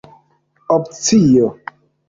opcio